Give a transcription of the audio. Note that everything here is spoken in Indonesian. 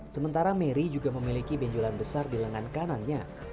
sementara mary juga memiliki benjolan besar di lengan kanannya